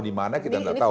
di mana kita nggak tahu